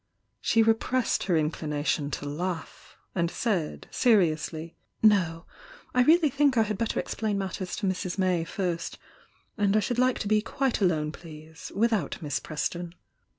She repressed her inclination to laugh, and said, seriously: "No— I really think I had better explain matters to Mrs. May first— and I should like to be quite alone, please,— without Miss Preston."